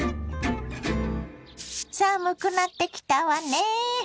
寒くなってきたわね。